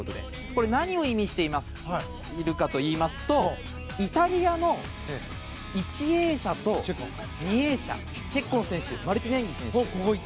これ何を意味しているかといいますとイタリアの１泳者と２泳者チェッコン選手マルティネンギ選手。